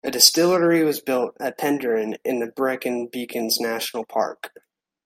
A distillery was built at Penderyn in the Brecon Beacons National Park.